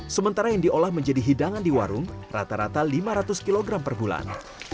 sementara yang diolah menjadi hidangan di warung rata rata lima ratus kg per bulan